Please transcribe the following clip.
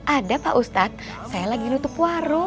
ada pak ustadz saya lagi nutup warung